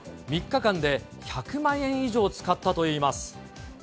３日間で１００万円以上使ったといいます。